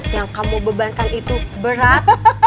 yang kamu bebankan itu berat